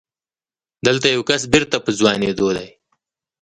دلته يو کس بېرته په ځوانېدو دی.